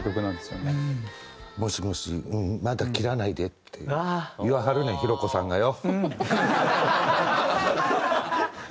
「もしもしうんまだ切らないで」って言わはるねんひろ子さんがよ。